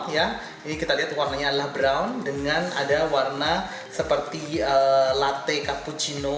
ini kita lihat warnanya adalah brown dengan ada warna seperti latte cappuccino